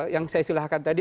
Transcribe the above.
yang saya silahkan tadi